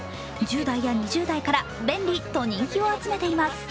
１０代や２０代から便利と人気を集めています。